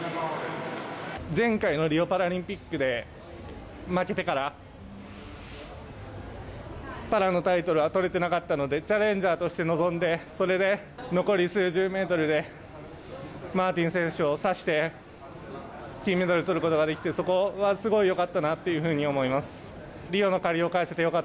前回のリオパラリンピックで負けてから、パラのタイトルが取れてなかったので、チャレンジャーとして臨んで、それで残り数十メートルで、マーティン選手を差して、金メダルとることができて、そこはすごいよかったなっていうふうに思います。